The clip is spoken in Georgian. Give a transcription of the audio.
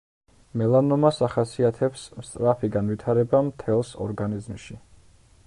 მელანომას ახასიათებს სწრაფი განვითარება მთელს ორგანიზმში.